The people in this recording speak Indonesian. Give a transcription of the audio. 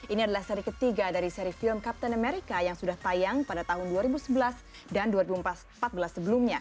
ini adalah seri ketiga dari seri film captain america yang sudah tayang pada tahun dua ribu sebelas dan dua ribu empat belas sebelumnya